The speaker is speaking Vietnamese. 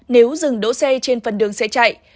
nếu dừng đỗ xe trên phần đường xe chạy